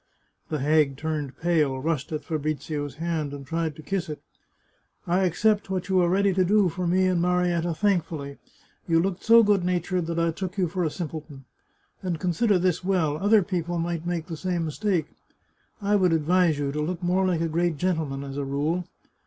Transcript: The hag turned pale, rushed at Fabrizio's hand, and tried to kiss it " I accept what you are ready to do for. me and Marietta thankfully ; you looked so good natured that I took you for a simpleton. And consider this well ; other people might make the same mistake. I would advise you to look more like a great gentleman, as a rule."